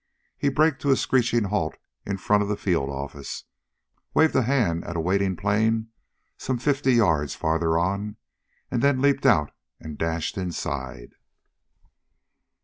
He braked to a screaming halt in front of the field office, waved a hand at a waiting plane some fifty yards farther on, and then leaped out and dashed inside.